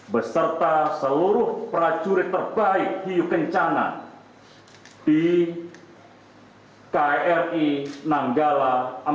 beserta seluruh prajurit terbaik hiu kencana di kri nanggala empat ratus dua